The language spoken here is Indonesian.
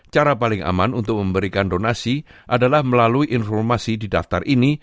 cara paling aman untuk memberikan donasi adalah melalui informasi di daftar ini